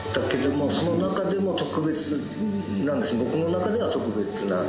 僕の中では特別な地域で。